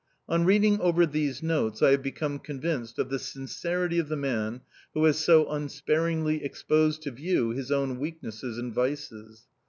On reading over these notes, I have become convinced of the sincerity of the man who has so unsparingly exposed to view his own weaknesses and vices.